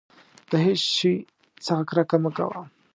د هېڅ شي څخه کرکه مه کوه.